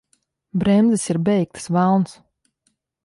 Bremzes ir beigtas! Velns!